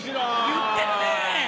言ってるね！